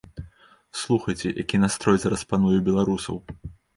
Слухайце, які настрой зараз пануе ў беларусаў!